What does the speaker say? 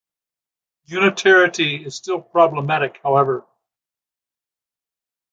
Unitarity is still problematic, however.